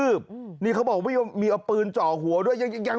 เฮ้ยนี่ใครวะนี่ใครวะ